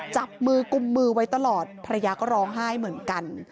จับมือกุมมือไว้ตลอดภรรยาก็ร้องไห้เหมือนกัน